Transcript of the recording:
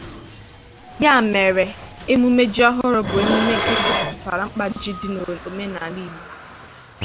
Ya mere Emume Ji ohụrụ bụ emume nke gosipụtara mkpa Ji di n'Omenala ndi Igbo.